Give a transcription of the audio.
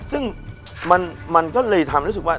ซึ่งมันก็เลยทำรู้สึกว่า